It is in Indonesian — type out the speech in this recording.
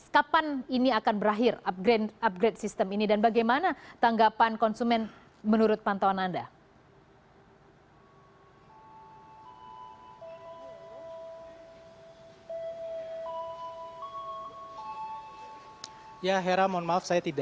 kapan ini akan berakhir upgrade sistem ini dan bagaimana tanggapan konsumen menurut pantauan anda